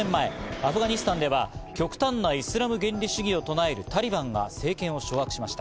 アフガニスタンでは極端なイスラム原理主義を唱えるタリバンが政権を掌握しました。